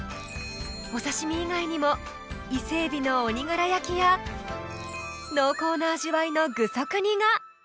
お刺し身以外にも伊勢エビの「鬼殻焼き」や濃厚な味わいの「具足煮」が！